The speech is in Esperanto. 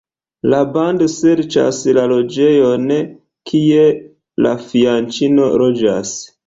La bando serĉas la loĝejon, kie la fianĉino loĝas.